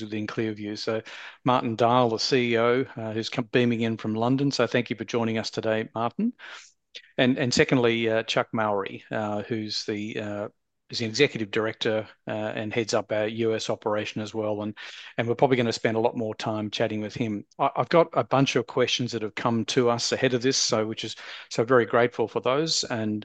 Within ClearVue. Martin Deil, the CEO, who's beaming in from London. Thank you for joining us today, Martin. Secondly, Chuck Mowrey, who's the Executive Director and heads up our U.S. operation as well. We're probably going to spend a lot more time chatting with him. I've got a bunch of questions that have come to us ahead of this, so we're very grateful for those, and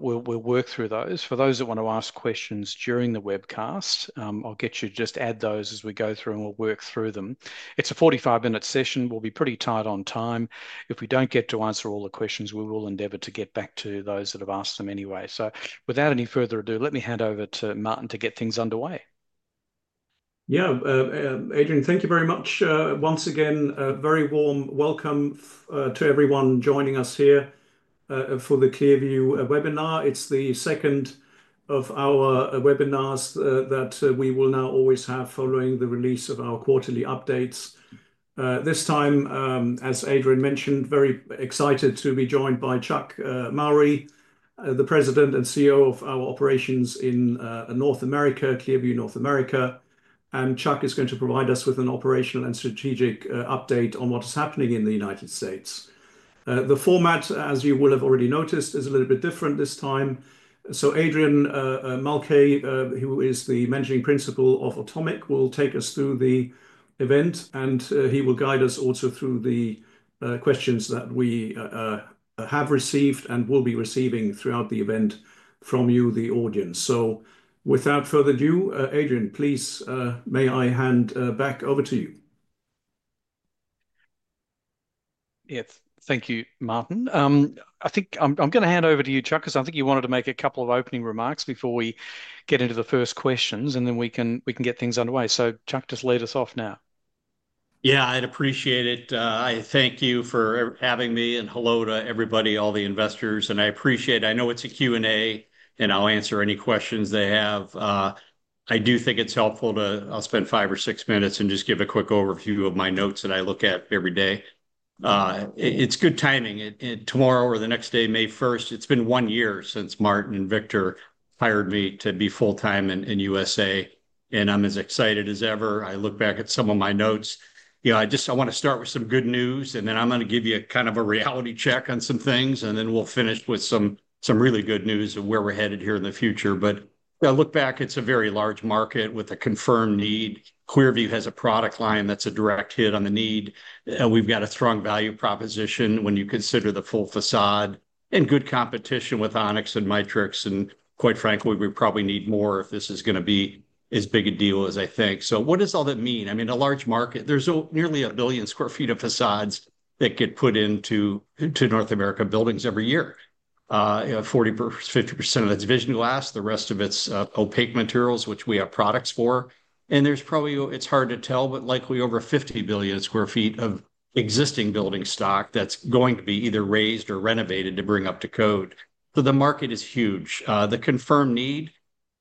we'll work through those. For those that want to ask questions during the webcast, I'll get you to just add those as we go through and we'll work through them. It's a 45-minute session. We'll be pretty tight on time. If we don't get to answer all the questions, we will endeavour to get back to those that have asked them anyway. Without any further ado, let me hand over to Martin to get things underway. Yeah, Adrian, thank you very much. Once again, a very warm welcome to everyone joining us here for the ClearVue webinar. It is the second of our webinars that we will now always have following the release of our quarterly updates. This time, as Adrian mentioned, very excited to be joined by Chuck Mowrey, the President and CEO of our operations in North America, ClearVue North America. Chuck is going to provide us with an operational and strategic update on what is happening in the United States. The format, as you will have already noticed, is a little bit different this time. Adrian Mulcahy, who is the Managing Principal of Atomic, will take us through the event, and he will guide us also through the questions that we have received and will be receiving throughout the event from you, the audience. Without further ado, Adrian, please, may I hand back over to you? Yes, thank you, Martin. I think I'm going to hand over to you, Chuck, because I think you wanted to make a couple of opening remarks before we get into the first questions, and then we can get things underway. Chuck, just lead us off now. Yeah, I'd appreciate it. I thank you for having me, and hello to everybody, all the investors. I appreciate it. I know it's a Q&A, and I'll answer any questions they have. I do think it's helpful to spend five or six minutes and just give a quick overview of my notes that I look at every day. It's good timing. Tomorrow or the next day, May 1, it's been one year since Martin and Victor hired me to be full-time in the US, and I'm as excited as ever. I look back at some of my notes. I just want to start with some good news, and then I'm going to give you kind of a reality check on some things, and then we'll finish with some really good news of where we're headed here in the future. I look back, it's a very large market with a confirmed need. ClearVue has a product line that's a direct hit on the need. We've got a strong value proposition when you consider the full facade and good competition with Onyx and Mitrex. Quite frankly, we probably need more if this is going to be as big a deal as I think. What does all that mean? I mean, a large market, there's nearly a billion sq ft of facades that get put into North America buildings every year. 40%-50% of that's vision glass. The rest of it's opaque materials, which we have products for. There's probably, it's hard to tell, but likely over 50 billion sq ft of existing building stock that's going to be either raised or renovated to bring up to code. The market is huge. The confirmed need,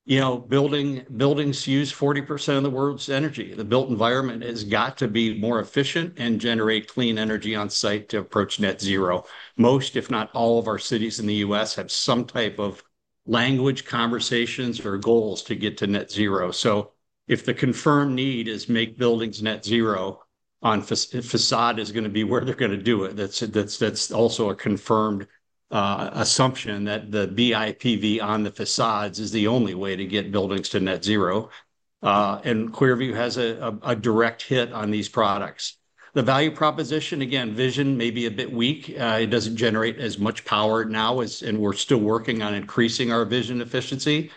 buildings use 40% of the world's energy. The built environment has got to be more efficient and generate clean energy on site to approach net zero. Most, if not all, of our cities in the US have some type of language, conversations, or goals to get to net zero. If the confirmed need is to make buildings net zero, facade is going to be where they're going to do it. That's also a confirmed assumption that the BIPV on the facades is the only way to get buildings to net zero. And ClearVue has a direct hit on these products. The value proposition, again, vision may be a bit weak. It doesn't generate as much power now, and we're still working on increasing our vision efficiency.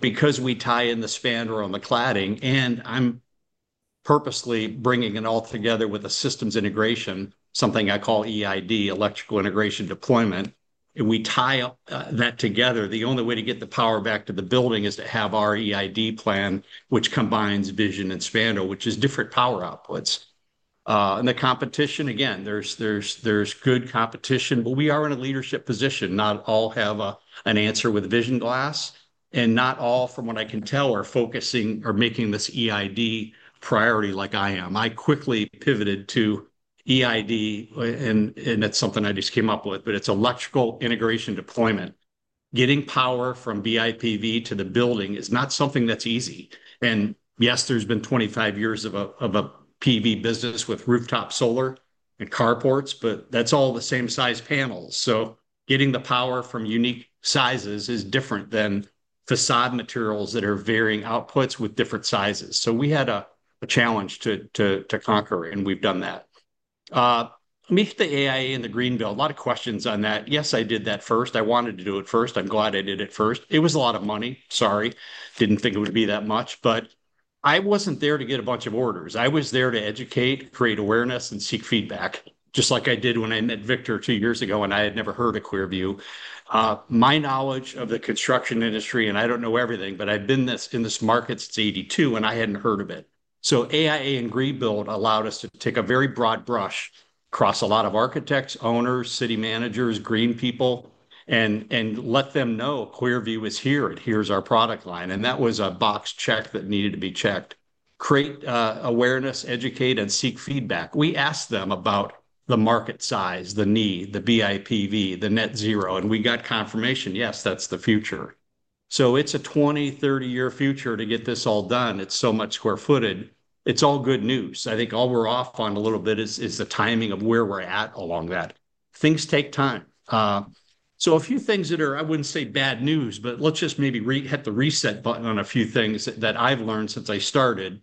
Because we tie in the spandrel on the cladding, and I'm purposely bringing it all together with a systems integration, something I call EID, Electrical Integration Deployment. We tie that together. The only way to get the power back to the building is to have our EID plan, which combines vision and spandrel, which is different power outputs. The competition, again, there's good competition, but we are in a leadership position. Not all have an answer with vision glass, and not all, from what I can tell, are focusing or making this EID priority like I am. I quickly pivoted to EID, and that's something I just came up with, but it's Electrical Integration Deployment. Getting power from BIPV to the building is not something that's easy. Yes, there's been 25 years of a PV business with rooftop solar and car ports, but that's all the same size panels. Getting the power from unique sizes is different than facade materials that are varying outputs with different sizes. We had a challenge to conquer, and we've done that. Meet the AIA in Greenville. A lot of questions on that. Yes, I did that first. I wanted to do it first. I'm glad I did it first. It was a lot of money. Sorry, didn't think it would be that much. I wasn't there to get a bunch of orders. I was there to educate, create awareness, and seek feedback, just like I did when I met Victor two years ago, and I had never heard of ClearVue. My knowledge of the construction industry, and I don't know everything, but I've been in this market since 1982, and I hadn't heard of it. AIA and Greenville allowed us to take a very broad brush across a lot of architects, owners, city managers, green people, and let them know ClearVue is here. Here's our product line. That was a box check that needed to be checked. Create awareness, educate, and seek feedback. We asked them about the market size, the need, the BIPV, the net zero, and we got confirmation, yes, that's the future. It's a 20 to 30-year future to get this all done. It's so much square footage. It's all good news. I think all we're off on a little bit is the timing of where we're at along that. Things take time. A few things that are, I wouldn't say bad news, but let's just maybe hit the reset button on a few things that I've learned since I started.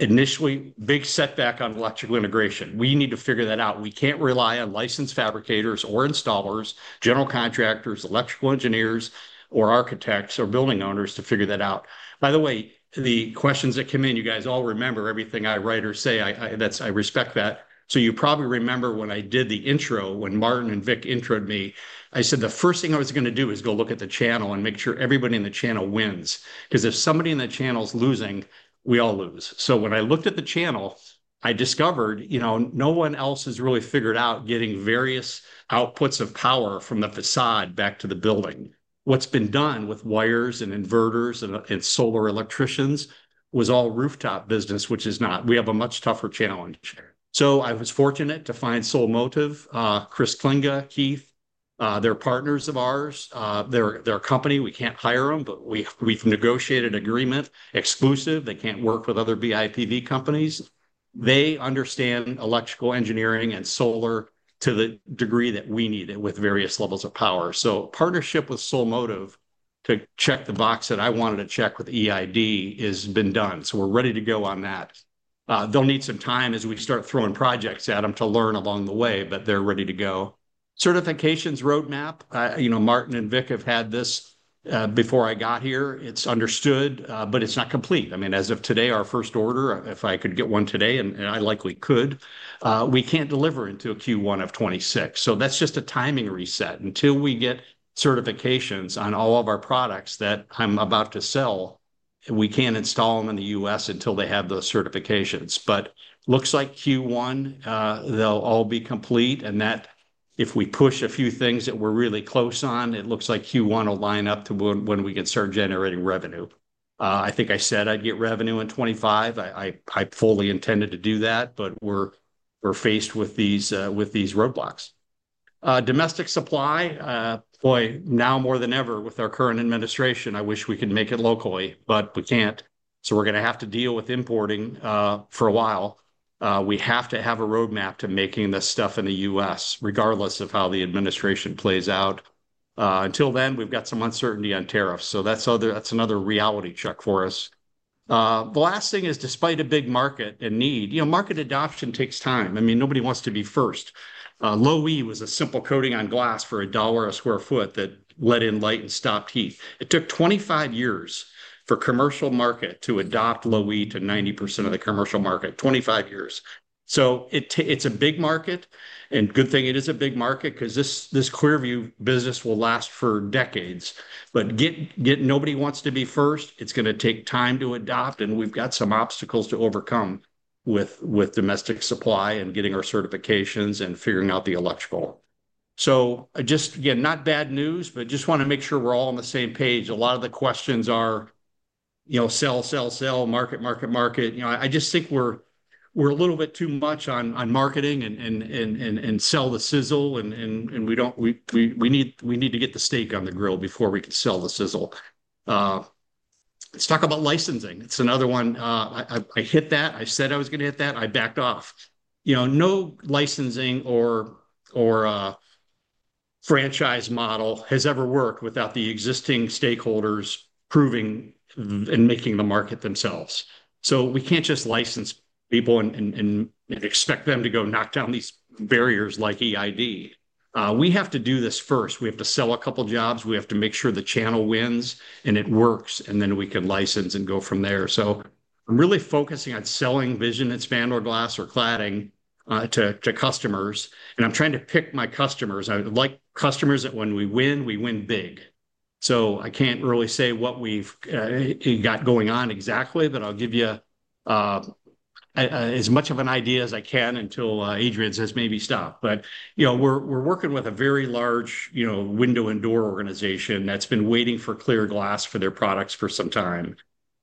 Initially, big setback on electrical integration. We need to figure that out. We can't rely on licensed fabricators or installers, general contractors, electrical engineers, or architects or building owners to figure that out. By the way, the questions that come in, you guys all remember everything I write or say. I respect that. You probably remember when I did the intro, when Martin and Vic intro'd me, I said the first thing I was going to do is go look at the channel and make sure everybody in the channel wins. Because if somebody in the channel's losing, we all lose. When I looked at the channel, I discovered no one else has really figured out getting various outputs of power from the facade back to the building. What's been done with wires and inverters and solar electricians was all rooftop business, which is not. We have a much tougher challenge. I was fortunate to find Sole Motive, Chris Klinga, Keith, they're partners of ours. They're a company. We can't hire them, but we've negotiated an agreement exclusive. They can't work with other BIPV companies. They understand electrical engineering and solar to the degree that we need it with various levels of power. Partnership with Soul Motive to check the box that I wanted to check with EID has been done. We're ready to go on that. They'll need some time as we start throwing projects at them to learn along the way, but they're ready to go. Certifications roadmap. Martin and Vic have had this before I got here. It's understood, but it's not complete. I mean, as of today, our first order, if I could get one today, and I likely could, we can't deliver into a Q1 of 2026. That's just a timing reset. Until we get certifications on all of our products that I'm about to sell, we can't install them in the US until they have those certifications. Looks like Q1, they'll all be complete. If we push a few things that we're really close on, it looks like Q1 will line up to when we can start generating revenue. I think I said I'd get revenue in 2025. I fully intended to do that, but we're faced with these roadblocks. Domestic supply, boy, now more than ever with our current administration, I wish we could make it locally, but we can't. So we're going to have to deal with importing for a while. We have to have a roadmap to making this stuff in the US, regardless of how the administration plays out. Until then, we've got some uncertainty on tariffs. That's another reality check for us. The last thing is, despite a big market and need, market adoption takes time. I mean, nobody wants to be first. Low-E was a simple coating on glass for a dollar a square foot that let in light and stopped heat. It took 25 years for commercial market to adopt Low-E to 90% of the commercial market. Twenty-five years. It's a big market. a good thing it is a big market because this ClearVue business will last for decades. Nobody wants to be first. It's going to take time to adopt, and we've got some obstacles to overcome with domestic supply and getting our certifications and figuring out the electrical. Just, again, not bad news, but just want to make sure we're all on the same page. A lot of the questions are, sell, sell, sell, market, market, market. I just think we're a little bit too much on marketing and sell the sizzle, and we need to get the steak on the grill before we can sell the sizzle. Let's talk about licensing. It's another one. I hit that. I said I was going to hit that. I backed off. No licensing or franchise model has ever worked without the existing stakeholders proving and making the market themselves. We can't just license people and expect them to go knock down these barriers like EID. We have to do this first. We have to sell a couple of jobs. We have to make sure the channel wins and it works, and then we can license and go from there. I'm really focusing on selling vision and spandrel glass or cladding to customers. I'm trying to pick my customers. I like customers that when we win, we win big. I can't really say what we've got going on exactly, but I'll give you as much of an idea as I can until Adrian says maybe stop. We're working with a very large window and door organization that's been waiting for ClearVue glass for their products for some time.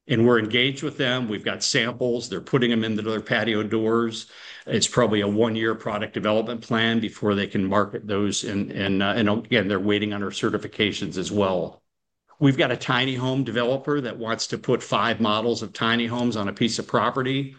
We're engaged with them. We've got samples. They're putting them into their patio doors. It's probably a one-year product development plan before they can market those. Again, they're waiting on our certifications as well. We've got a tiny home developer that wants to put five models of tiny homes on a piece of property.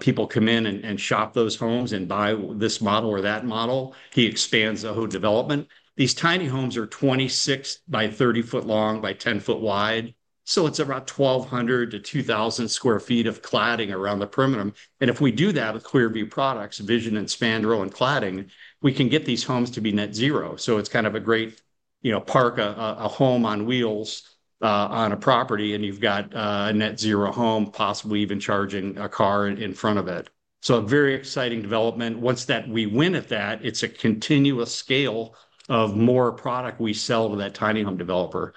People come in and shop those homes and buy this model or that model. He expands the whole development. These tiny homes are 26x30 ft long by 10 ft wide. It's about 1,200-2,000 sq ft of cladding around the perimeter. If we do that with ClearVue products, vision and spandrel and cladding, we can get these homes to be net zero. It's kind of a great park, a home on wheels on a property, and you've got a net zero home, possibly even charging a car in front of it. A very exciting development. Once that we win at that, it's a continuous scale of more product we sell to that tiny home developer.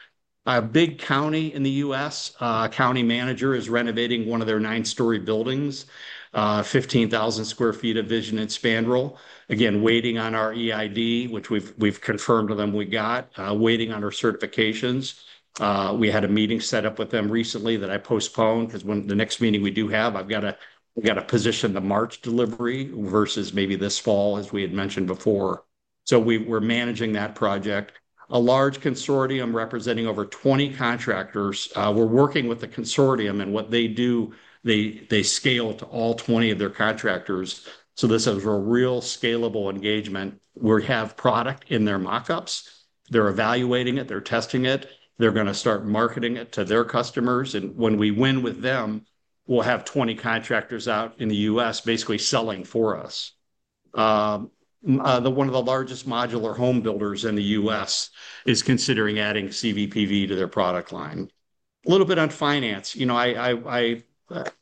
A big county in the U.S., a county manager is renovating one of their nine-story buildings, 15,000 sq ft of vision and spandrel. Again, waiting on our EID, which we've confirmed to them we got, waiting on our certifications. We had a meeting set up with them recently that I postponed because the next meeting we do have, I've got to position the March delivery versus maybe this fall, as we had mentioned before. We are managing that project. A large consortium representing over 20 contractors. We are working with the consortium, and what they do, they scale to all 20 of their contractors. This is a real scalable engagement. We have product in their mockups. They are evaluating it. They are testing it. They're going to start marketing it to their customers. When we win with them, we'll have 20 contractors out in the U.S. basically selling for us. One of the largest modular home builders in the US is considering adding CVPV to their product line. A little bit on finance.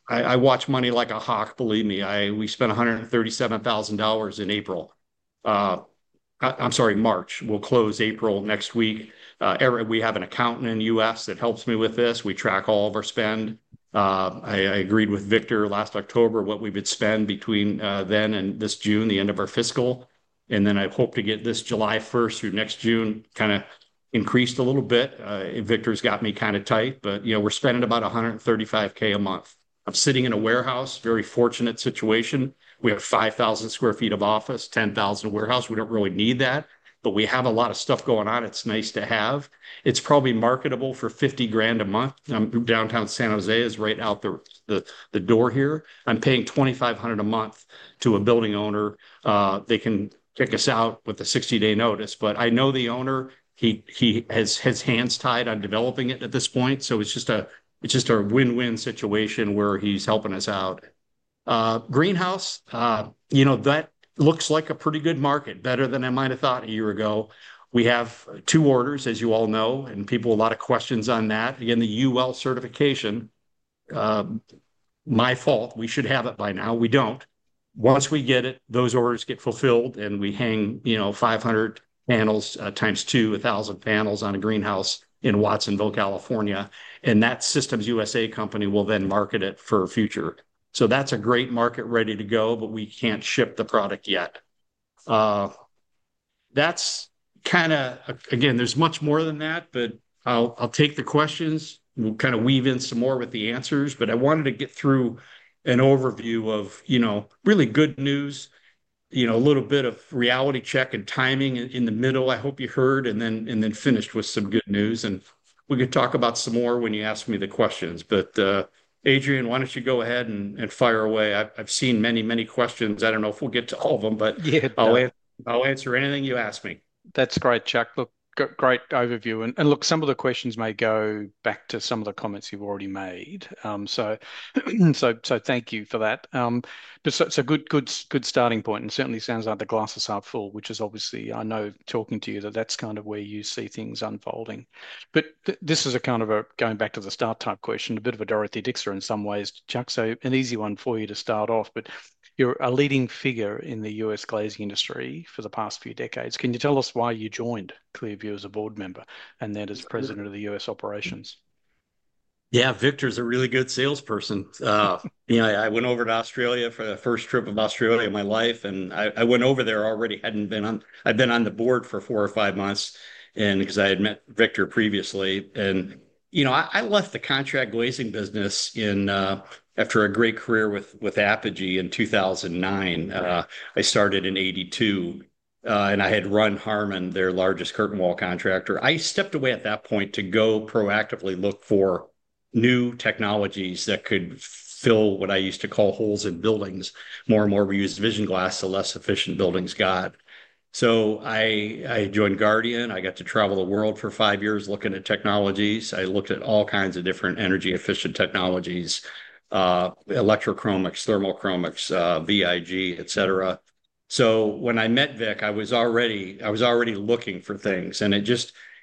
I watch money like a hawk, believe me. We spent $137,000 in April. I'm sorry, March. We'll close April next week. We have an accountant in the U.S. that helps me with this. We track all of our spend. I agreed with Victor last October what we would spend between then and this June, the end of our fiscal. I hope to get this July 1st through next June kind of increased a little bit. Victor's got me kind of tight, but we're spending about $135,000 a month. I'm sitting in a warehouse, very fortunate situation. We have 5,000 sq ft of office, 10,000 warehouse. We do not really need that, but we have a lot of stuff going on. It is nice to have. It is probably marketable for $50,000 a month. Downtown San Jose is right out the door here. I am paying $2,500 a month to a building owner. They can kick us out with a 60-day notice. I know the owner, he has his hands tied on developing it at this point. It is just a win-win situation where he is helping us out. Greenhouse, that looks like a pretty good market, better than I might have thought a year ago. We have two orders, as you all know, and people have a lot of questions on that. Again, the UL certification, my fault. We should have it by now. We do not. Once we get it, those orders get fulfilled, and we hang 500 panels times two, 1,000 panels on a greenhouse in Watsonville, California. That Systems USA company will then market it for future. That is a great market ready to go, but we cannot ship the product yet. That is kind of, again, there is much more than that, but I will take the questions. We will kind of weave in some more with the answers. I wanted to get through an overview of really good news, a little bit of reality check and timing in the middle, I hope you heard, and then finished with some good news. We could talk about some more when you ask me the questions. Adrian, why do you not go ahead and fire away? I have seen many, many questions. I don't know if we'll get to all of them, but I'll answer anything you ask me. That's great. Chuck, look, great overview. Some of the questions may go back to some of the comments you've already made. Thank you for that. It's a good starting point. It certainly sounds like the glasses are full, which is obviously, I know talking to you, that's kind of where you see things unfolding. This is a kind of a going back to the start type question, a bit of a Dorothy Dixter in some ways, Chuck, so an easy one for you to start off. You're a leading figure in the U.S. glazing industry for the past few decades. Can you tell us why you joined ClearVue as a board member and then as president of the U.S. operations? Yeah, Victor's a really good salesperson. I went over to Australia for the first trip of Australia in my life. I went over there already. I'd been on the board for four or five months because I had met Victor previously. I left the contract glazing business after a great career with Apogee in 2009. I started in 1982, and I had run Harman, their largest curtain wall contractor. I stepped away at that point to go proactively look for new technologies that could fill what I used to call holes in buildings. More and more, we used vision glass, the less efficient buildings got. I joined Guardian. I got to travel the world for five years looking at technologies. I looked at all kinds of different energy-efficient technologies, electrochromics, thermochromics, VIG, etc. When I met Vic, I was already looking for things.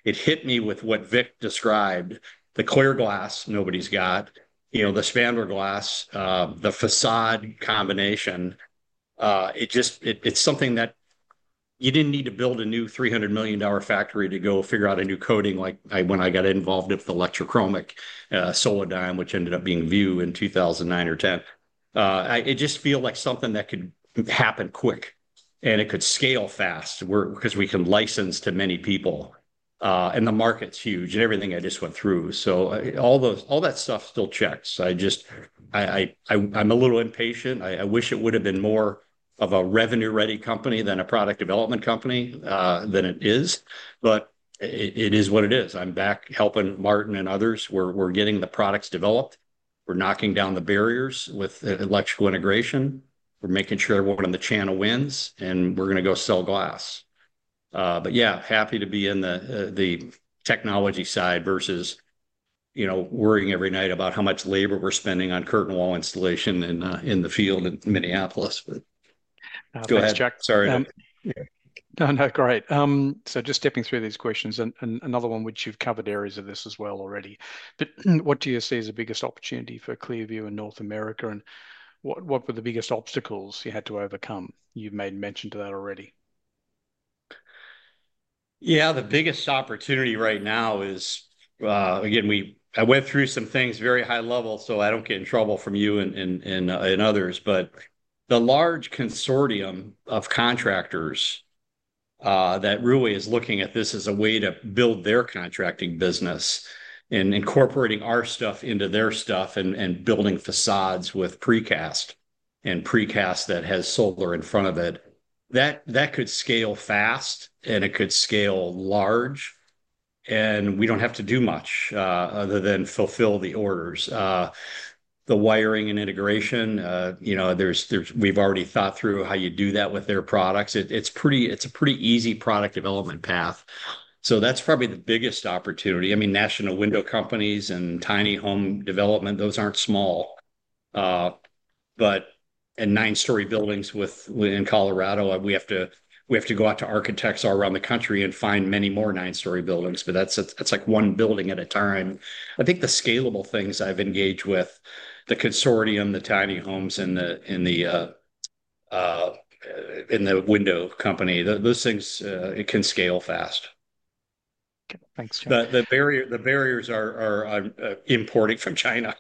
It hit me with what Vic described, the clear glass nobody's got, the spandrel glass, the facade combination. It's something that you didn't need to build a new $300 million factory to go figure out a new coating like when I got involved with the electrochromic Solidion, which ended up being Vue in 2009 or 2010. It just feels like something that could happen quick, and it could scale fast because we can license to many people. The market's huge and everything I just went through. All that stuff still checks. I'm a little impatient. I wish it would have been more of a revenue-ready company than a product development company than it is. It is what it is. I'm back helping Martin and others. We're getting the products developed. We're knocking down the barriers with electrical integration. We're making sure we're on the channel wins, and we're going to go sell glass. Yeah, happy to be in the technology side versus worrying every night about how much labor we're spending on curtain wall installation in the field in Minneapolis. Go ahead, Chuck. Sorry. No, no, great. Just stepping through these questions. Another one, which you've covered areas of this as well already. What do you see as the biggest opportunity for ClearVue in North America? What were the biggest obstacles you had to overcome? You've made mention to that already. The biggest opportunity right now is, again, I went through some things very high level, so I don't get in trouble from you and others. The large consortium of contractors that really is looking at this as a way to build their contracting business and incorporating our stuff into their stuff and building facades with precast and precast that has solar in front of it, that could scale fast, and it could scale large. We do not have to do much other than fulfill the orders. The wiring and integration, we have already thought through how you do that with their products. It is a pretty easy product development path. That is probably the biggest opportunity. I mean, national window companies and tiny home development, those are not small. In nine-story buildings in Colorado, we have to go out to architects all around the country and find many more nine-story buildings. That is like one building at a time. I think the scalable things I've engaged with, the consortium, the tiny homes, and the window company, those things, it can scale fast. The barriers are importing from China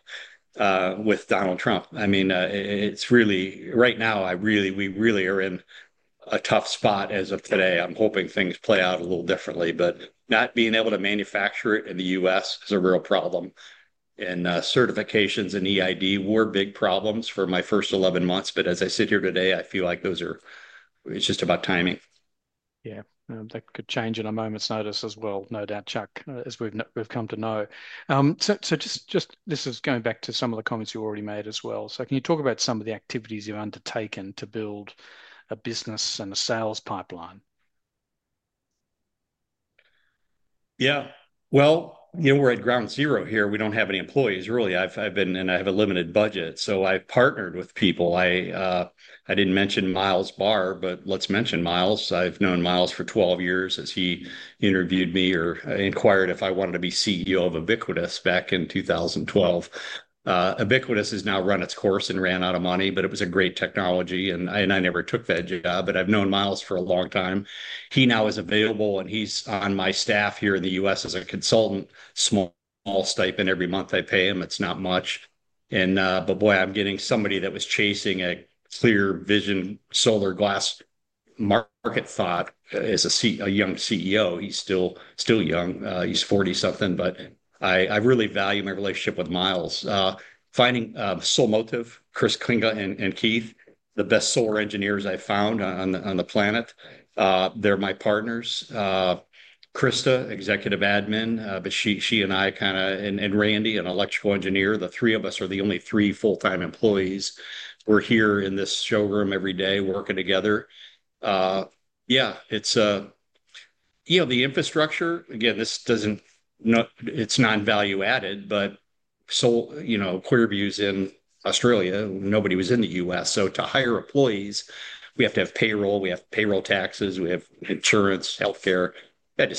with Donald Trump. I mean, right now, we really are in a tough spot as of today. I'm hoping things play out a little differently. Not being able to manufacture it in the US is a real problem. Certifications and EID were big problems for my first 11 months. As I sit here today, I feel like it's just about timing. That could change in a moment's notice as well, no doubt, Chuck, as we've come to know. This is going back to some of the comments you already made as well. Can you talk about some of the activities you've undertaken to build a business and a sales pipeline? Yeah. We're at ground zero here. We don't have any employees, really. I have a limited budget. I have partnered with people. I didn't mention Miles Barr, but let's mention Miles. I've known Miles for 12 years as he interviewed me or inquired if I wanted to be CEO of Ubiquitous back in 2012. Ubiquitous has now run its course and ran out of money, but it was a great technology. I never took that job, but I've known Miles for a long time. He now is available, and he's on my staff here in the US as a consultant, small stipend every month I pay him. It's not much. Boy, I'm getting somebody that was chasing a clear vision solar glass market thought as a young CEO. He's still young. He's 40-something. I really value my relationship with Miles. Finding Soul Motive, Chris Klinga and Keith, the best solar engineers I found on the planet. They're my partners. Christa, Executive Admin, but she and I kind of, and Randy, an electrical engineer. The three of us are the only three full-time employees. We're here in this showroom every day working together. Yeah, the infrastructure, again, it's non-value added, but ClearVue's in Australia. Nobody was in the U.S. To hire employees, we have to have payroll. We have payroll taxes. We have insurance, healthcare. I had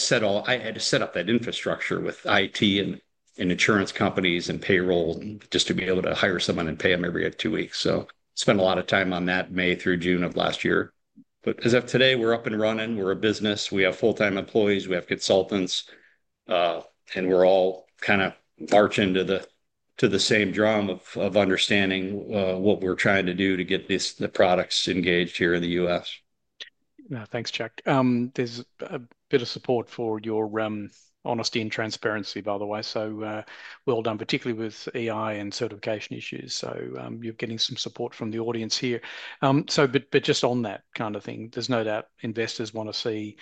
to set up that infrastructure with IT and insurance companies and payroll just to be able to hire someone and pay them every two weeks. I spent a lot of time on that May through June of last year. As of today, we're up and running. We're a business. We have full-time employees. We have consultants. We're all kind of marching to the same drum of understanding what we're trying to do to get the products engaged here in the U.S. Thanks, Chuck. There's a bit of support for your honesty and transparency, by the way. Well done, particularly with AI and certification issues. You're getting some support from the audience here. Just on that kind of thing, there's no doubt investors want to see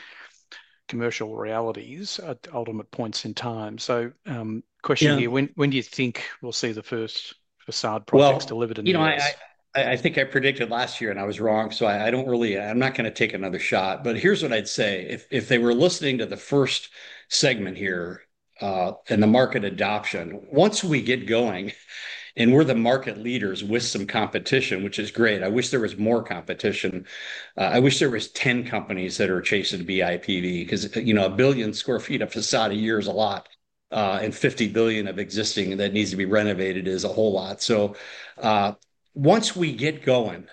commercial realities, ultimate points in time. Question here, when do you think we'll see the first facade projects delivered in the U.S.? I think I predicted last year, and I was wrong. I'm not going to take another shot. Here's what I'd say. If they were listening to the first segment here and the market adoption, once we get going and we're the market leaders with some competition, which is great, I wish there was more competition. I wish there were 10 companies that are chasing BIPV because a billion sq ft of facade a year is a lot. And $50 billion of existing that needs to be renovated is a whole lot. Once we get going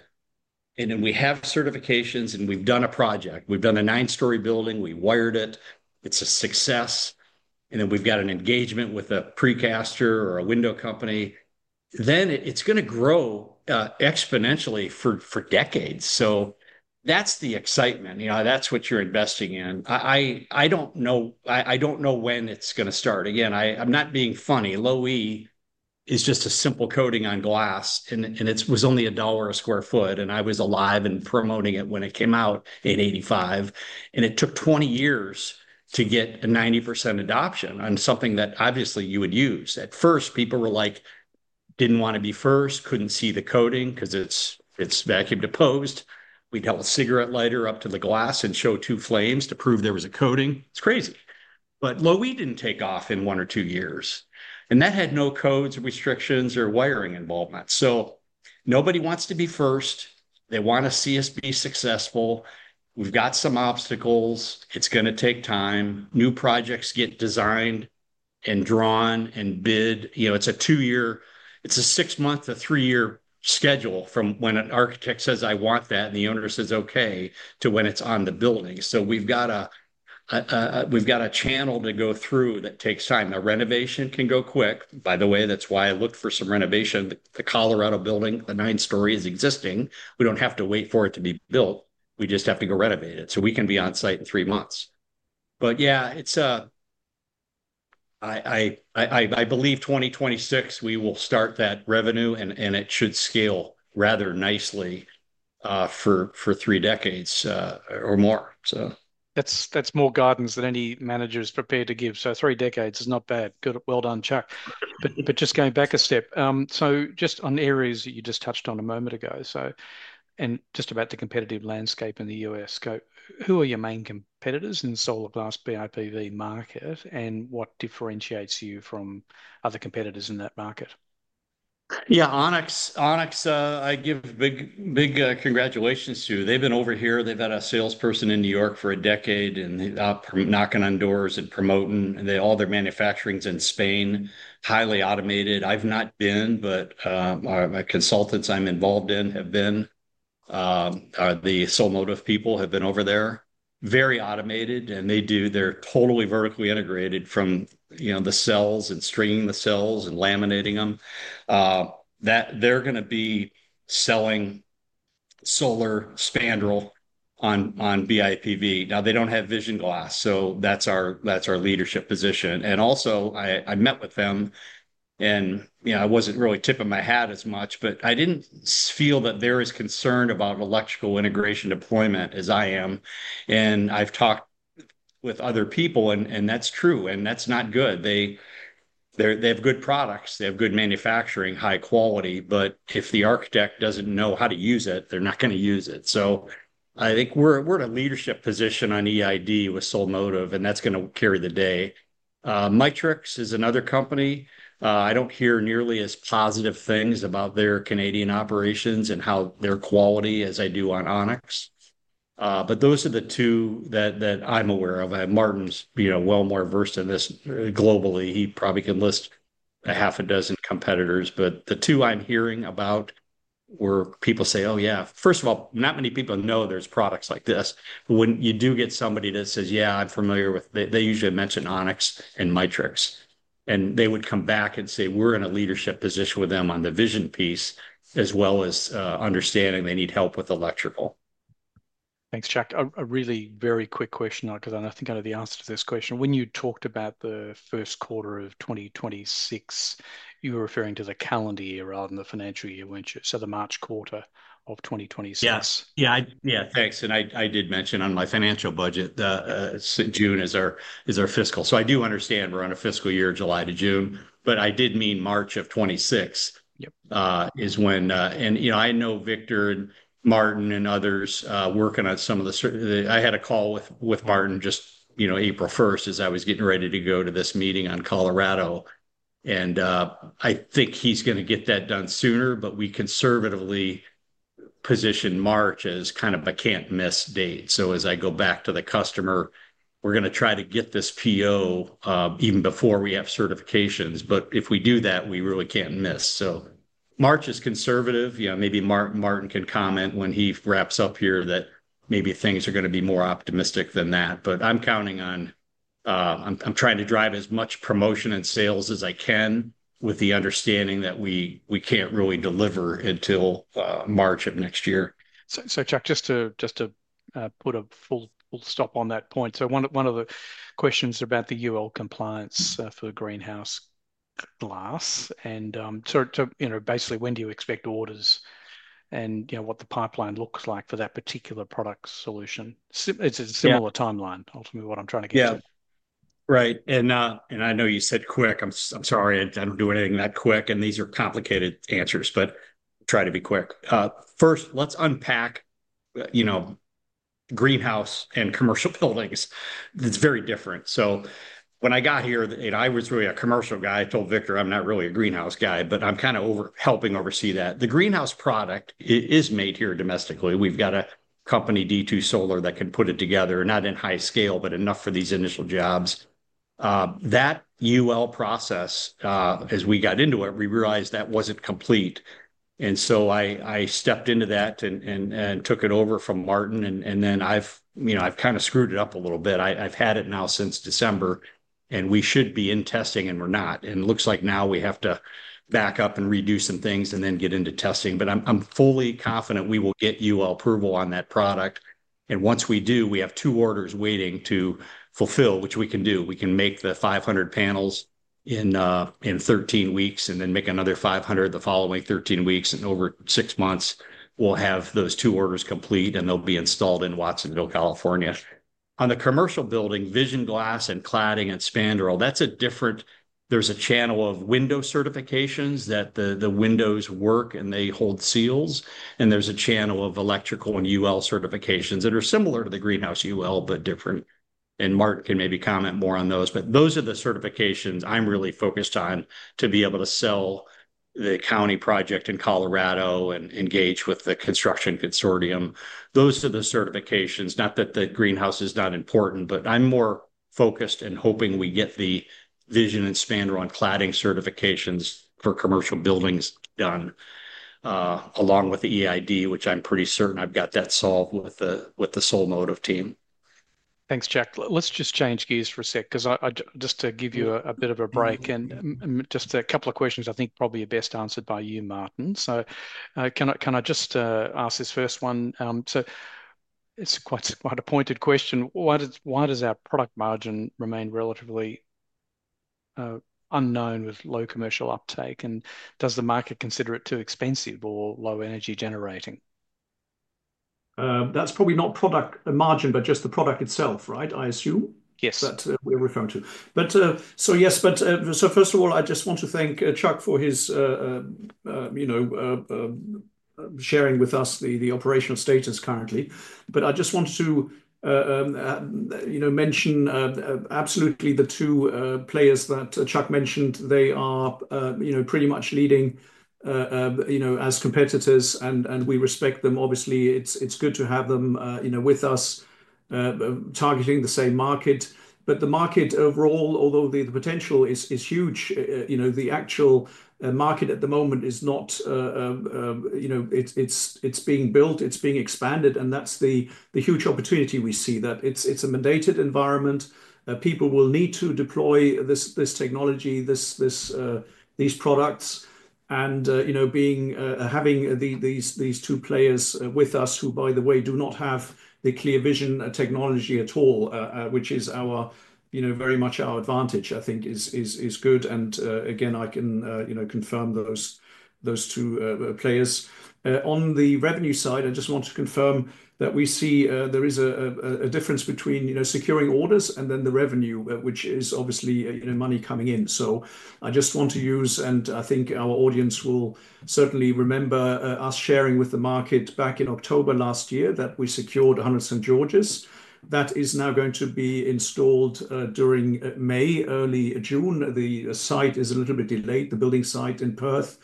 and then we have certifications and we've done a project, we've done a nine-story building, we've wired it, it's a success, and then we've got an engagement with a precaster or a window company, it is going to grow exponentially for decades. That is the excitement. That is what you're investing in. I don't know when it's going to start. Again, I'm not being funny. Glass is just a simple coating on glass, and it was only $1 a sq ft. I was alive and promoting it when it came out in 1985. It took 20 years to get a 90% adoption on something that obviously you would use. At first, people were like, didn't want to be first, couldn't see the coating because it's vacuum deposed. We'd have a cigarette lighter up to the glass and show two flames to prove there was a coating. It's crazy. Low-E Glass didn't take off in one or two years. That had no codes or restrictions or wiring involvement. Nobody wants to be first. They want to see us be successful. We've got some obstacles. It's going to take time. New projects get designed and drawn and bid. It's a two-year, it's a six-month, a three-year schedule from when an architect says, "I want that," and the owner says, "Okay," to when it's on the building. We have a channel to go through that takes time. The renovation can go quick. By the way, that's why I looked for some renovation. The Colorado building, the nine-story is existing. We don't have to wait for it to be built. We just have to go renovate it so we can be on site in three months. I believe 2026, we will start that revenue, and it should scale rather nicely for three decades or more. That's more guidance than any manager is prepared to give. Three decades is not bad. Well done, Chuck. Just going back a step, on areas that you just touched on a moment ago, and just about the competitive landscape in the US, who are your main competitors in the solar glass BIPV market, and what differentiates you from other competitors in that market? Yeah, Onyx, I give big congratulations to you. They've been over here. They've had a salesperson in New York for a decade and knocking on doors and promoting all their manufacturings in Spain, highly automated. I've not been, but my consultants I'm involved in have been. The Sole Motive people have been over there. Very automated, and they're totally vertically integrated from the cells and stringing the cells and laminating them. They're going to be selling solar spandrel on BIPV. Now, they don't have vision glass, so that's our leadership position. I met with them, and I was not really tipping my hat as much, but I did not feel that they are as concerned about electrical integration deployment as I am. I have talked with other people, and that is true. That is not good. They have good products. They have good manufacturing, high quality. If the architect does not know how to use it, they are not going to use it. I think we are in a leadership position on EID with Sole Motive, and that is going to carry the day. Mitrex is another company. I do not hear nearly as positive things about their Canadian operations and how their quality is as I do on Onyx. Those are the two that I am aware of. Martin is well more versed in this globally. He probably can list a half a dozen competitors. The two I'm hearing about where people say, "Oh, yeah." First of all, not many people know there's products like this. When you do get somebody that says, "Yeah, I'm familiar with," they usually mention Onyx and Mitrex. They would come back and say, "We're in a leadership position with them on the vision piece as well as understanding they need help with electrical." Thanks, Chuck. A really very quick question because I think I know the answer to this question. When you talked about the first quarter of 2026, you were referring to the calendar year rather than the financial year, weren't you? The March quarter of 2026. Yes. Yeah, thanks. I did mention on my financial budget, June is our fiscal. I do understand we're on a fiscal year, July to June. I did mean March of 2026 is when I know Victor and Martin and others working on some of the I had a call with Martin just April 1st as I was getting ready to go to this meeting on Colorado. I think he's going to get that done sooner, but we conservatively position March as kind of a can't-miss date. As I go back to the customer, we're going to try to get this PO even before we have certifications. If we do that, we really can't miss. March is conservative. Maybe Martin can comment when he wraps up here that maybe things are going to be more optimistic than that. I'm counting on I'm trying to drive as much promotion and sales as I can with the understanding that we can't really deliver until March of next year. Chuck, just to put a full stop on that point. One of the questions about the UL compliance for the greenhouse glass. Basically, when do you expect orders and what the pipeline looks like for that particular product solution? It's a similar timeline, ultimately, what I'm trying to get to. Right. I know you said quick. I'm sorry. I don't do anything that quick. These are complicated answers, but try to be quick. First, let's unpack greenhouse and commercial buildings. It's very different. When I got here, I was really a commercial guy. I told Victor, "I'm not really a greenhouse guy, but I'm kind of helping oversee that." The greenhouse product is made here domestically. We've got a company, D2 Solar, that can put it together, not in high scale, but enough for these initial jobs. That UL process, as we got into it, we realized that wasn't complete. I stepped into that and took it over from Martin. I've kind of screwed it up a little bit. I've had it now since December, and we should be in testing, and we're not. It looks like now we have to back up and redo some things and then get into testing. I'm fully confident we will get UL approval on that product. Once we do, we have two orders waiting to fulfill, which we can do. We can make the 500 panels in 13 weeks and then make another 500 the following 13 weeks. Over six months, we'll have those two orders complete, and they'll be installed in Watsonville, California. On the commercial building, vision glass and cladding and spandrel, that's a different, there's a channel of window certifications that the windows work and they hold seals. There's a channel of electrical and UL certifications that are similar to the greenhouse UL, but different. Martin can maybe comment more on those. Those are the certifications I'm really focused on to be able to sell the county project in Colorado and engage with the construction consortium. Those are the certifications. Not that the greenhouse is not important, but I'm more focused and hoping we get the vision and spandrel and cladding certifications for commercial buildings done along with the EID, which I'm pretty certain I've got that solved with the Soul Motive team. Thanks, Chuck. Let's just change gears for a sec because just to give you a bit of a break and just a couple of questions, I think probably best answered by you, Martin. Can I just ask this first one? It is quite a pointed question. Why does our product margin remain relatively unknown with low commercial uptake? Does the market consider it too expensive or low energy generating? That is probably not product margin, but just the product itself, right? I assume? Yes. That is what we are referring to. Yes. First of all, I just want to thank Chuck for his sharing with us the operational status currently. I just wanted to mention absolutely the two players that Chuck mentioned. They are pretty much leading as competitors, and we respect them. Obviously, it is good to have them with us targeting the same market. The market overall, although the potential is huge, the actual market at the moment is not. It is being built. It is being expanded. That is the huge opportunity we see, that it is a mandated environment. People will need to deploy this technology, these products. Having these two players with us, who, by the way, do not have the ClearVue vision technology at all, which is very much our advantage, I think, is good. Again, I can confirm those two players. On the revenue side, I just want to confirm that we see there is a difference between securing orders and then the revenue, which is obviously money coming in. I just want to use, and I think our audience will certainly remember us sharing with the market back in October last year, that we secured 100 St. George's. That is now going to be installed during May, early June. The site is a little bit delayed, the building site in Perth,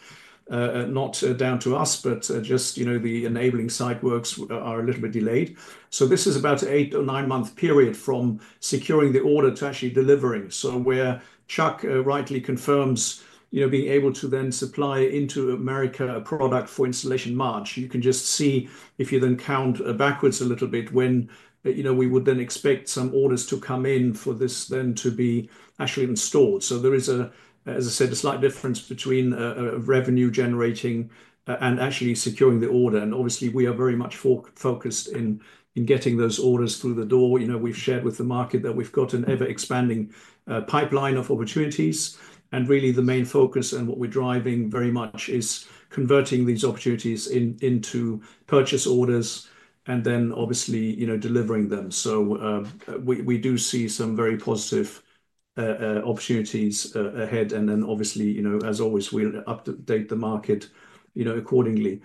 not down to us, but just the enabling site works are a little bit delayed. This is about an eight or nine-month period from securing the order to actually delivering. Where Chuck rightly confirms being able to then supply into America a product for installation March, you can just see if you then count backwards a little bit when we would then expect some orders to come in for this then to be actually installed. There is, as I said, a slight difference between revenue generating and actually securing the order. Obviously, we are very much focused in getting those orders through the door. We've shared with the market that we've got an ever-expanding pipeline of opportunities. Really, the main focus and what we're driving very much is converting these opportunities into purchase orders and then obviously delivering them. We do see some very positive opportunities ahead. As always, we'll update the market accordingly.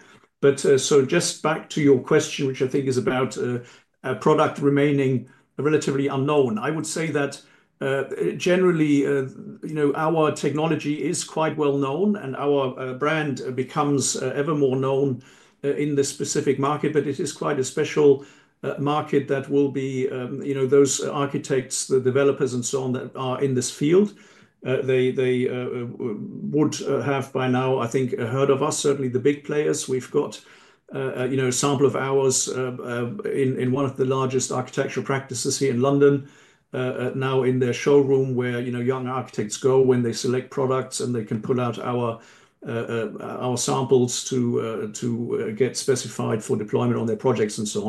Just back to your question, which I think is about a product remaining relatively unknown. I would say that generally, our technology is quite well known, and our brand becomes ever more known in this specific market. It is quite a special market that will be those architects, the developers, and so on that are in this field. They would have by now, I think, heard of us, certainly the big players. We've got a sample of ours in one of the largest architectural practices here in London now in their showroom where young architects go when they select products, and they can pull out our samples to get specified for deployment on their projects and so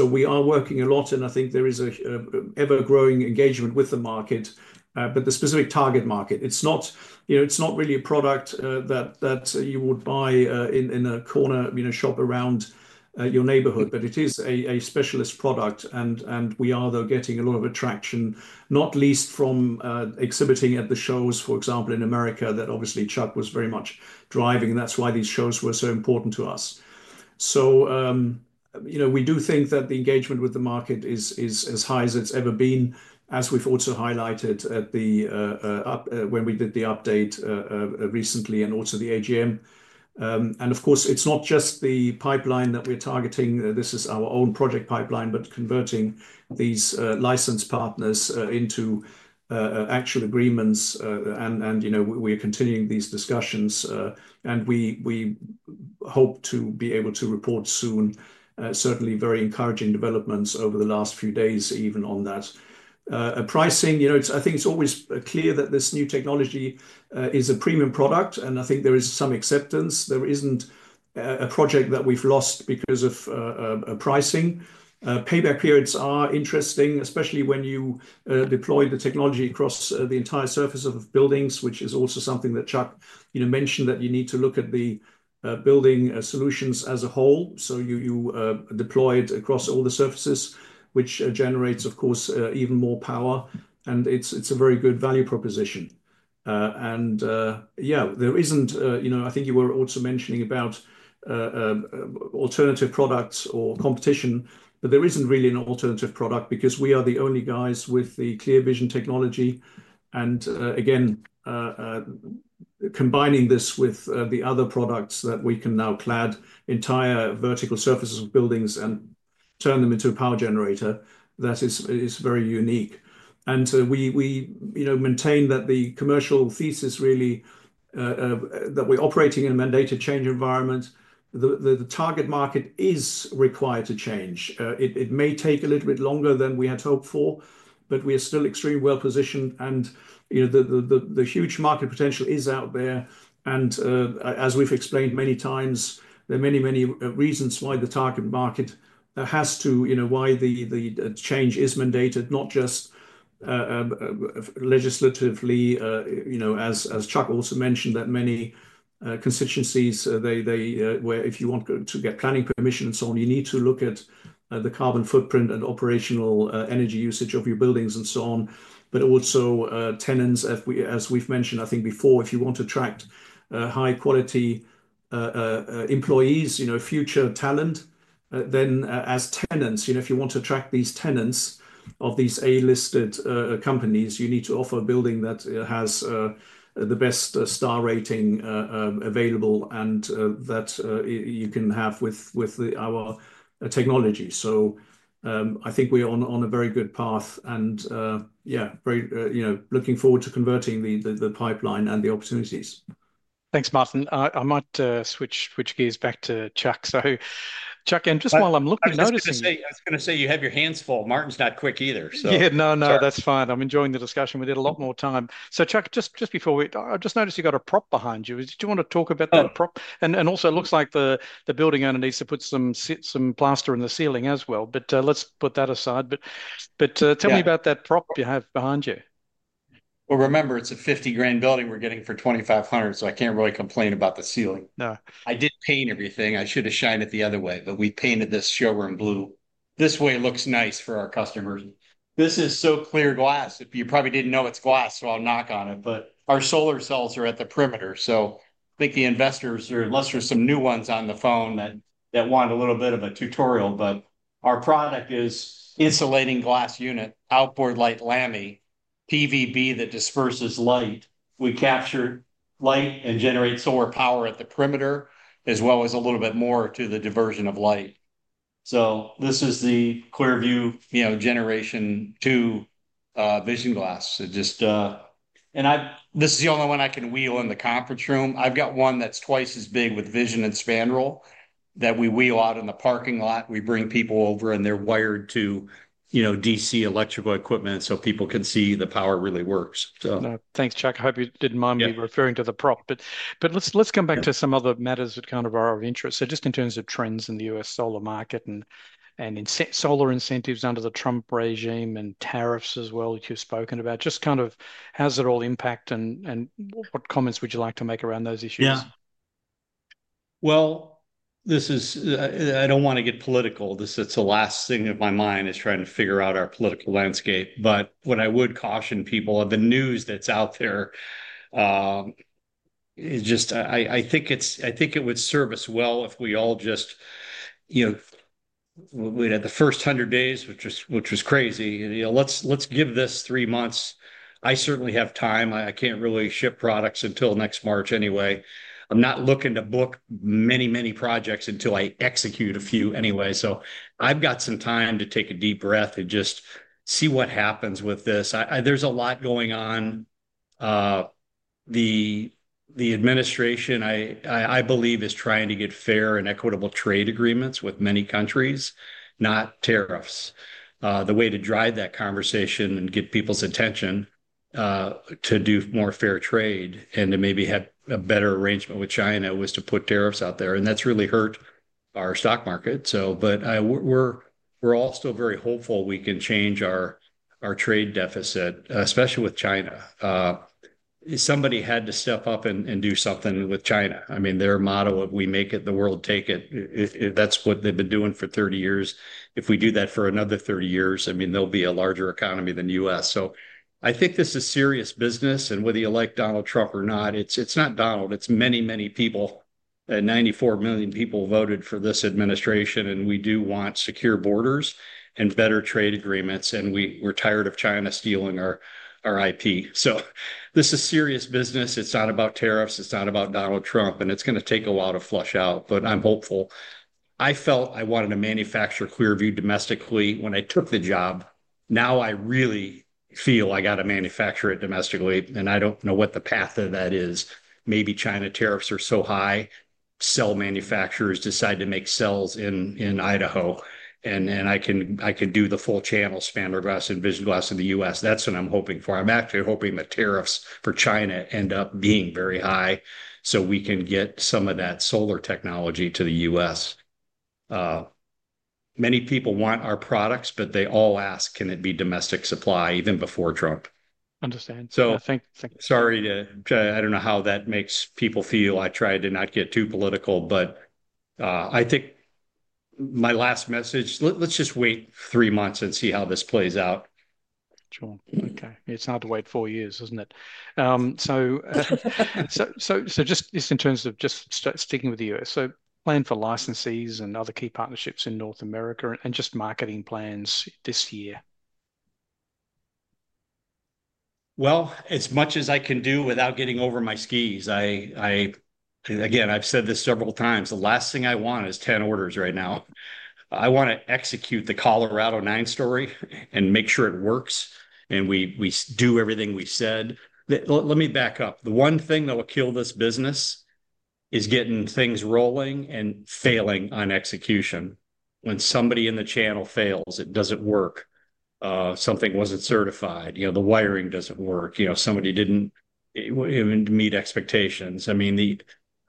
on. We are working a lot, and I think there is an ever-growing engagement with the market, but the specific target market. It's not really a product that you would buy in a corner shop around your neighborhood, but it is a specialist product. We are, though, getting a lot of attraction, not least from exhibiting at the shows, for example, in America that obviously Chuck was very much driving. That's why these shows were so important to us. We do think that the engagement with the market is as high as it's ever been, as we've also highlighted when we did the update recently and also the AGM. Of course, it's not just the pipeline that we're targeting. This is our own project pipeline, but converting these licensed partners into actual agreements. We're continuing these discussions. We hope to be able to report soon, certainly very encouraging developments over the last few days, even on that. Pricing, I think it's always clear that this new technology is a premium product. I think there is some acceptance. There isn't a project that we've lost because of pricing. Payback periods are interesting, especially when you deploy the technology across the entire surface of buildings, which is also something that Chuck mentioned, that you need to look at the building solutions as a whole. You deploy it across all the surfaces, which generates, of course, even more power. It is a very good value proposition. Yeah, I think you were also mentioning about alternative products or competition, but there is not really an alternative product because we are the only guys with the clear vision technology. Again, combining this with the other products that we can now clad entire vertical surfaces of buildings and turn them into a power generator, that is very unique. We maintain that the commercial thesis really is that we are operating in a mandated change environment. The target market is required to change. It may take a little bit longer than we had hoped for, but we are still extremely well positioned. The huge market potential is out there. As we've explained many times, there are many, many reasons why the target market has to, why the change is mandated, not just legislatively. As Chuck also mentioned, many constituencies, if you want to get planning permission and so on, you need to look at the carbon footprint and operational energy usage of your buildings and so on. Also, tenants, as we've mentioned, I think before, if you want to attract high-quality employees, future talent, then as tenants, if you want to attract these tenants of these A-listed companies, you need to offer a building that has the best star rating available and that you can have with our technology. I think we're on a very good path and, yeah, looking forward to converting the pipeline and the opportunities. Thanks, Martin. I might switch gears back to Chuck. Chuck, and just while I'm looking, I was going to say, I was going to say you have your hands full. Martin's not quick either, so. Yeah, no, no, that's fine. I'm enjoying the discussion. We did a lot more time. Chuck, just before we I just noticed you got a prop behind you. Did you want to talk about that prop? Also, it looks like the building owner needs to put some plaster in the ceiling as well. Let's put that aside. Tell me about that prop you have behind you. Remember, it's a $50,000 building we're getting for $2,500, so I can't really complain about the ceiling. I did paint everything. I should have shined it the other way, but we painted this showroom blue. This way looks nice for our customers. This is so clear glass. You probably didn't know it's glass, so I'll knock on it. Our solar cells are at the perimeter. I think the investors, unless there's some new ones on the phone that want a little bit of a tutorial, but our product is insulating glass unit, outboard light lammy, PVB that disperses light. We capture light and generate solar power at the perimeter as well as a little bit more to the diversion of light. This is the ClearVue Generation 2 Vision Glass. This is the only one I can wheel in the conference room. I've got one that's twice as big with vision and spandrel that we wheel out in the parking lot. We bring people over, and they're wired to DC electrical equipment so people can see the power really works. Thanks, Chuck. I hope you didn't mind me referring to the prop. Let's come back to some other matters that are of interest. Just in terms of trends in the U.S. solar market and solar incentives under the Trump regime and tariffs as well, which you have spoken about, how does it all impact and what comments would you like to make around those issues? Yeah. I do not want to get political. The last thing on my mind is trying to figure out our political landscape. What I would caution people of the news that is out there is just I think it would serve us well if we all just, we had the first 100 days, which was crazy. Let's give this three months. I certainly have time. I cannot really ship products until next March anyway. I am not looking to book many, many projects until I execute a few anyway. I've got some time to take a deep breath and just see what happens with this. There's a lot going on. The administration, I believe, is trying to get fair and equitable trade agreements with many countries, not tariffs. The way to drive that conversation and get people's attention to do more fair trade and to maybe have a better arrangement with China was to put tariffs out there. That's really hurt our stock market. We're all still very hopeful we can change our trade deficit, especially with China. Somebody had to step up and do something with China. I mean, their motto, "We make it, the world take it." That's what they've been doing for 30 years. If we do that for another 30 years, I mean, there'll be a larger economy than the U.S. I think this is serious business. Whether you like Donald Trump or not, it's not Donald. It's many, many people. 94 million people voted for this administration. We do want secure borders and better trade agreements. We're tired of China stealing our IP. This is serious business. It's not about tariffs. It's not about Donald Trump. It's going to take a while to flush out. I'm hopeful. I felt I wanted to manufacture ClearVue domestically when I took the job. Now I really feel I got to manufacture it domestically. I don't know what the path of that is. Maybe China tariffs are so high, cell manufacturers decide to make cells in Idaho. I can do the full channel spandrel glass and vision glass in the U.S. That's what I'm hoping for. I'm actually hoping the tariffs for China end up being very high so we can get some of that solar technology to the US. Many people want our products, but they all ask, "Can it be domestic supply even before Trump?" Understand. Thank you. Sorry to I don't know how that makes people feel. I tried to not get too political, but I think my last message, let's just wait three months and see how this plays out. Sure. Okay. It's hard to wait four years, isn't it? Just in terms of just sticking with the U.S., plan for licensees and other key partnerships in North America and just marketing plans this year. As much as I can do without getting over my skis, again, I've said this several times, the last thing I want is 10 orders right now. I want to execute the Colorado nine-story and make sure it works. And we do everything we said. Let me back up. The one thing that will kill this business is getting things rolling and failing on execution. When somebody in the channel fails, it doesn't work. Something wasn't certified. The wiring doesn't work. Somebody didn't meet expectations. I mean,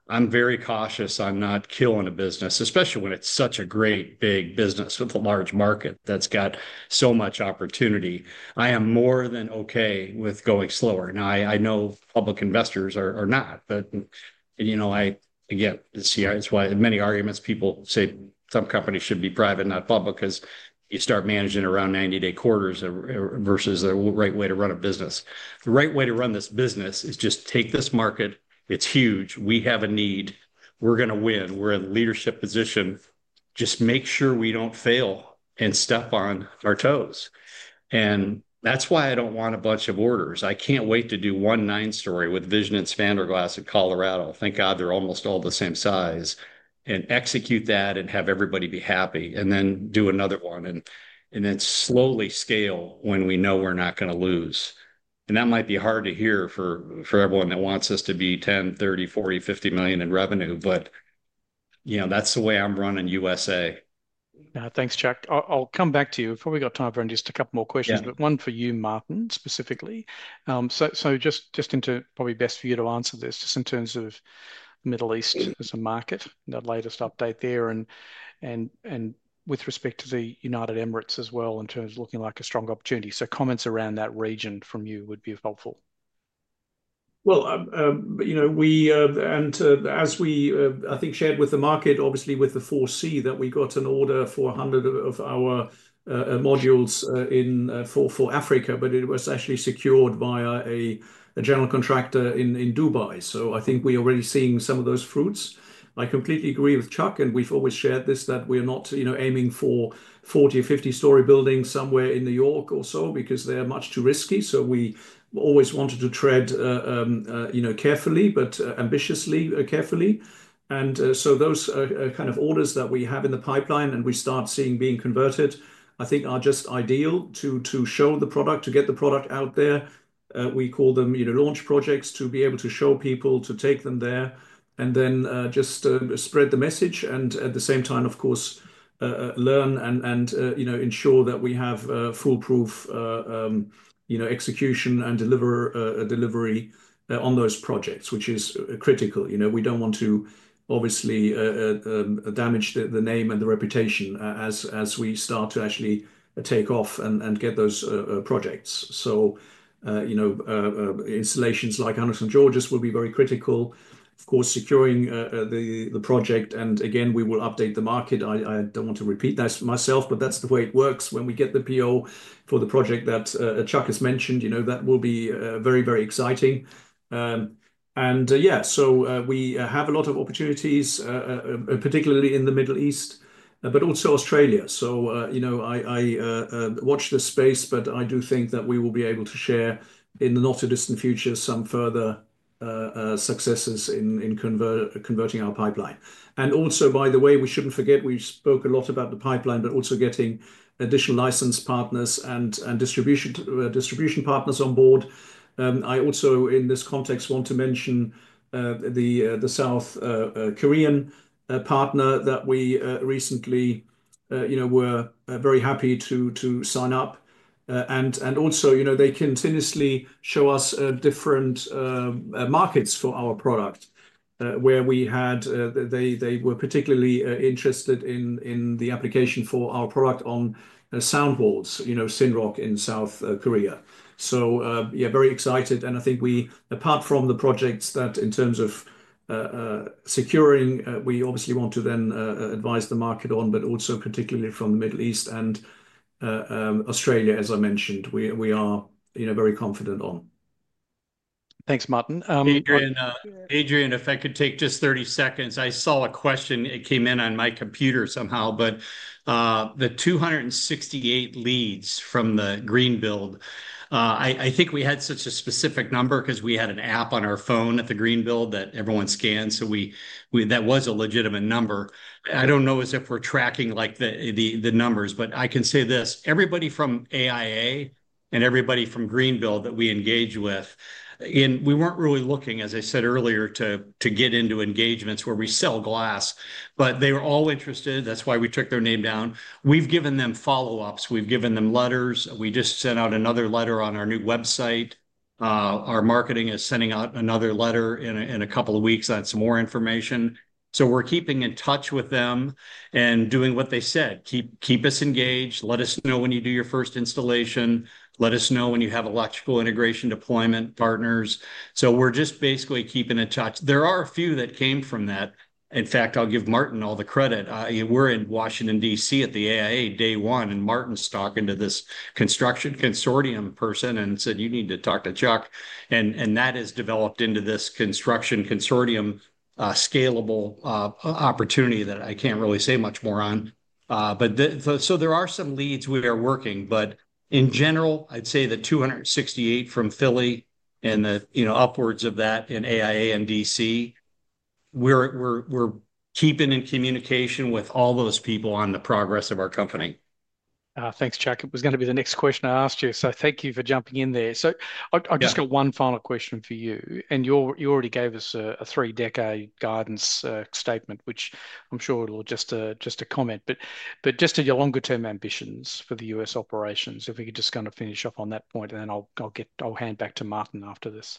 I'm very cautious on not killing a business, especially when it's such a great big business with a large market that's got so much opportunity. I am more than okay with going slower. Now, I know public investors are not, but again, it's why many arguments people say some companies should be private, not public, because you start managing around 90-day quarters versus the right way to run a business. The right way to run this business is just take this market. It's huge. We have a need. We're going to win. We're in a leadership position. Just make sure we don't fail and step on our toes. That is why I don't want a bunch of orders. I can't wait to do one nine-story with vision and spandrel glass in Colorado. Thank God they're almost all the same size. Execute that and have everybody be happy. Then do another one. Slowly scale when we know we're not going to lose. That might be hard to hear for everyone that wants us to be $10 million, $30 million, $40 million, $50 million in revenue, but that's the way I'm running USA. Thanks, Chuck. I'll come back to you. Before we go to time, just a couple more questions, but one for you, Martin, specifically. It is probably best for you to answer this, just in terms of the Middle East as a market, that latest update there. With respect to the United Emirates as well, in terms of looking like a strong opportunity, comments around that region from you would be helpful. As we, I think, shared with the market, obviously with the forecast that we got an order for 100 of our modules for Africa, but it was actually secured via a general contractor in Dubai. I think we are already seeing some of those fruits. I completely agree with Chuck, and we have always shared this, that we are not aiming for 40- or 50-story buildings somewhere in New York or so because they are much too risky. We always wanted to tread carefully, but ambitiously carefully. Those kind of orders that we have in the pipeline and we start seeing being converted, I think are just ideal to show the product, to get the product out there. We call them launch projects to be able to show people, to take them there, and then just spread the message. At the same time, of course, learn and ensure that we have foolproof execution and delivery on those projects, which is critical. We do not want to obviously damage the name and the reputation as we start to actually take off and get those projects. Installations like St. George's will be very critical, of course, securing the project. Again, we will update the market. I do not want to repeat that myself, but that is the way it works. When we get the PO for the project that Chuck has mentioned, that will be very, very exciting. We have a lot of opportunities, particularly in the Middle East, but also Australia. I watch the space, but I do think that we will be able to share in the not-too-distant future some further successes in converting our pipeline. Also, by the way, we should not forget, we spoke a lot about the pipeline, but also getting additional license partners and distribution partners on board. I also, in this context, want to mention the South Korean partner that we recently were very happy to sign up. They continuously show us different markets for our product where they were particularly interested in the application for our product on sound boards, Sinrok in South Korea. Very excited. I think we, apart from the projects that in terms of securing, we obviously want to then advise the market on, but also particularly from the Middle East and Australia, as I mentioned, we are very confident on. Thanks, Martin. Adrian, if I could take just 30 seconds. I saw a question. It came in on my computer somehow, but the 268 leads from the Greenbuild, I think we had such a specific number because we had an app on our phone at the Greenbuild that everyone scans. That was a legitimate number. I do not know if we are tracking the numbers, but I can say this. Everybody from AIA and everybody from Greenbuild that we engage with, we were not really looking, as I said earlier, to get into engagements where we sell glass, but they were all interested. That is why we took their name down. We've given them follow-ups. We've given them letters. We just sent out another letter on our new website. Our marketing is sending out another letter in a couple of weeks on some more information. We are keeping in touch with them and doing what they said. Keep us engaged. Let us know when you do your first installation. Let us know when you have electrical integration deployment partners. We are just basically keeping in touch. There are a few that came from that. In fact, I'll give Martin all the credit. We are in Washington, DC at the AIA day one, and Martin's talking to this construction consortium person and said, "You need to talk to Chuck." That has developed into this construction consortium scalable opportunity that I can't really say much more on. There are some leads we are working. In general, I'd say the 268 from Philly and the upwards of that in AIA and DC, we're keeping in communication with all those people on the progress of our company. Thanks, Chuck. It was going to be the next question I asked you. Thank you for jumping in there. I've just got one final question for you. You already gave us a three-decade guidance statement, which I'm sure will just be a comment. Just your longer-term ambitions for the US operations, if we could just kind of finish off on that point, then I'll hand back to Martin after this.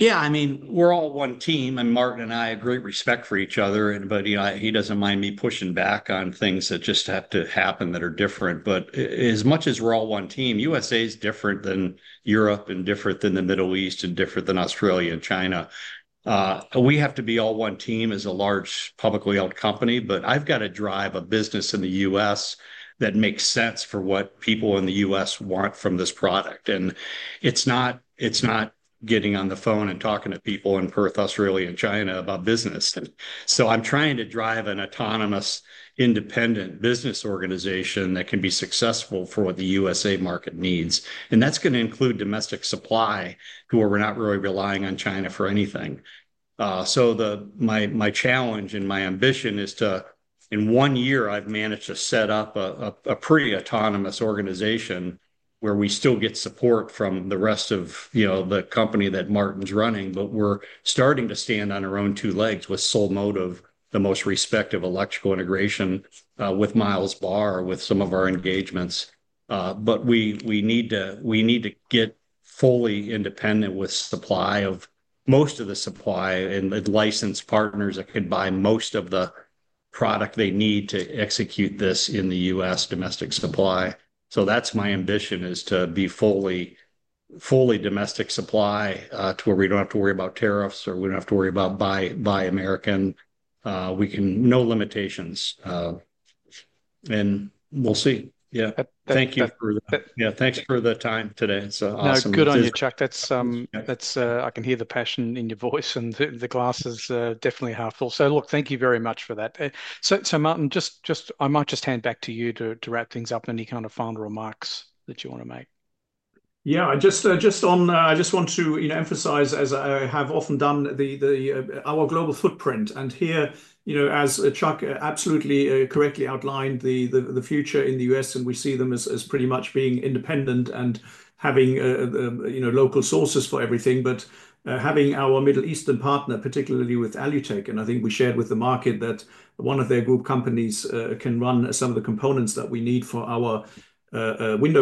I mean, we're all one team, and Martin and I have great respect for each other. He doesn't mind me pushing back on things that just have to happen that are different. As much as we're all one team, USA is different than Europe and different than the Middle East and different than Australia and China. We have to be all one team as a large publicly held company. I've got to drive a business in the U.S. that makes sense for what people in the U.S. want from this product. It's not getting on the phone and talking to people in Perth, Australia, and China about business. I'm trying to drive an autonomous, independent business organization that can be successful for what the USA market needs. That's going to include domestic supply to where we're not really relying on China for anything. My challenge and my ambition is to, in one year, I've managed to set up a pretty autonomous organization where we still get support from the rest of the company that Martin's running. We're starting to stand on our own two legs with Sole Motive, the most respected electrical integration with Miles Barr, with some of our engagements. We need to get fully independent with supply of most of the supply and license partners that could buy most of the product they need to execute this in the U.S. domestic supply. That's my ambition, to be fully domestic supply to where we don't have to worry about tariffs or we don't have to worry about buy American. No limitations. We'll see. Thank you for that. Thanks for the time today. It's awesome. Good on you, Chuck. I can hear the passion in your voice, and the glass is definitely helpful. Thank you very much for that. Martin, I might just hand back to you to wrap things up and any kind of final remarks that you want to make. Yeah, I just want to emphasize, as I have often done, our global footprint. Here, as Chuck absolutely correctly outlined, the future in the U.S., and we see them as pretty much being independent and having local sources for everything. Having our Middle Eastern partner, particularly with Alutech, and I think we shared with the market that one of their group companies can run some of the components that we need for our window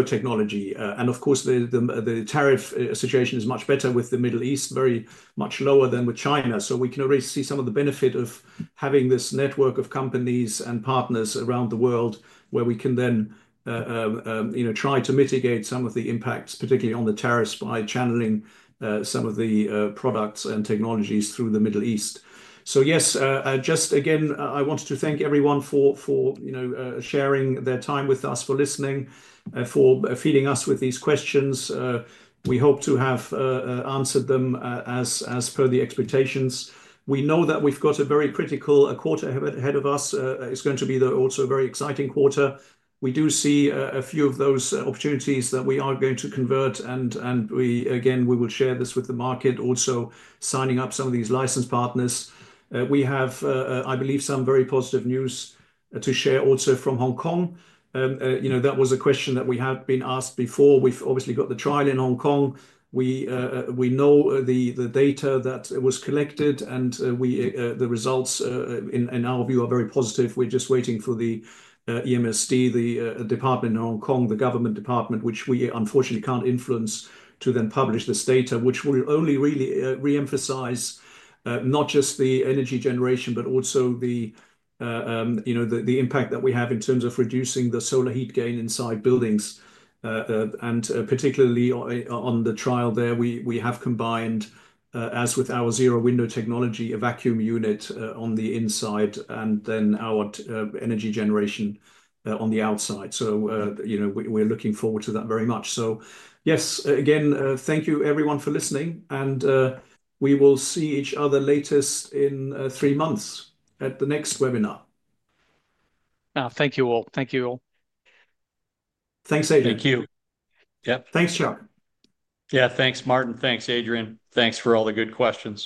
technology. Of course, the tariff situation is much better with the Middle East, very much lower than with China. We can already see some of the benefit of having this network of companies and partners around the world where we can then try to mitigate some of the impacts, particularly on the tariffs, by channeling some of the products and technologies through the Middle East. Yes, just again, I want to thank everyone for sharing their time with us, for listening, for feeding us with these questions. We hope to have answered them as per the expectations. We know that we've got a very critical quarter ahead of us. It's going to be also a very exciting quarter. We do see a few of those opportunities that we are going to convert. Again, we will share this with the market, also signing up some of these license partners. We have, I believe, some very positive news to share also from Hong Kong. That was a question that we have been asked before. We've obviously got the trial in Hong Kong. We know the data that was collected, and the results, in our view, are very positive. We're just waiting for the EMSD, the department in Hong Kong, the government department, which we unfortunately can't influence to then publish this data, which will only really re-emphasize not just the energy generation, but also the impact that we have in terms of reducing the solar heat gain inside buildings. Particularly on the trial there, we have combined, as with our Zero Window Technology, a vacuum unit on the inside and then our energy generation on the outside. We're looking forward to that very much. Yes, again, thank you, everyone, for listening. We will see each other latest in three months at the next webinar. Thank you all. Thank you all. Thanks, Adrian. Thank you. Yep. Thanks, Chuck. Yeah, thanks, Martin. Thanks, Adrian. Thanks for all the good questions.